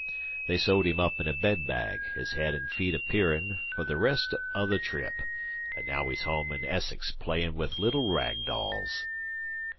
They sewed him up in a bed bag, his head an' feet appearin', fer the rest o' the trip, an' now he's to home in Essex playin' with little rag dolls."